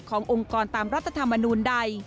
ขององค์กรตามรัฐธรรมนุนใด